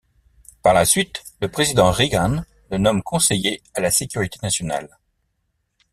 Par la suite, le président Reagan le nomme conseiller à la sécurité nationale.